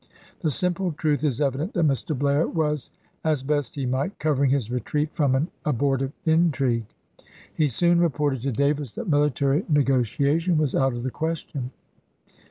The simple truth is evident that Mr. Blair was, as best he might, covering his retreat from an abortive intrigue. He soon reported to Davis that military negotiation was out of the question.